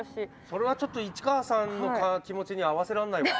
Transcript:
それはちょっと市川さんの気持ちには合わせらんないわ。